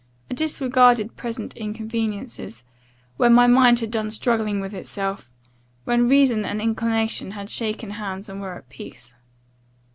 I disregarded present inconveniences, when my mind had done struggling with itself, when reason and inclination had shaken hands and were at peace.